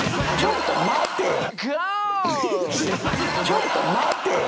ちょっと待てぃ！！